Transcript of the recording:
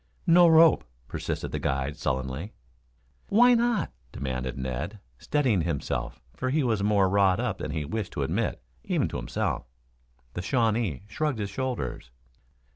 "No rope," persisted the guide sullenly. "Why not?" demanded Ned, steadying himself, for he was more wrought up than he wished to admit, even to himself. The Shawnee shrugged his shoulders.